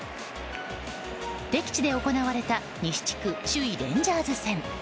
敵地で行われた西地区首位レンジャーズ戦。